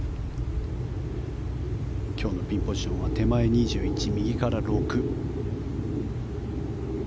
今日のピンポジションは手前２１、右から６。